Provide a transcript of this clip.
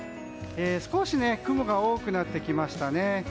少し雲が多くなってきましたね。